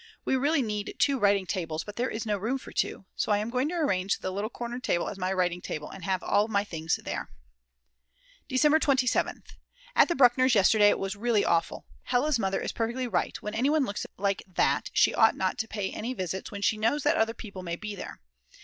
We really need two writing tables, but there is no room for two. So I am going to arrange the little corner table as my writing table and have all my things there. December 27th. At the Bruckners yesterday it was really awful. Hella's mother is perfectly right; when anyone looks like that she ought not to pay visits when she knows that other people may be there.